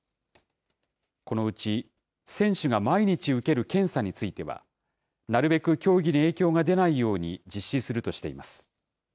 このうち選手が毎日受ける検査については、なるべく競技に影響が出ないように実施するとしています。